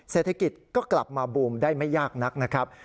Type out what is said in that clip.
เศรษฐกิจก็กลับมาบูมได้ไม่ยากนักนะครับ